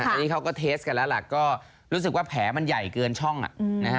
อันนี้เขาก็เทสกันแล้วล่ะก็รู้สึกว่าแผลมันใหญ่เกินช่องอ่ะนะฮะ